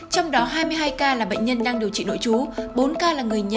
trong đó hai mươi hai ca là bệnh nhân đang điều trị nội trú bốn ca là người nhà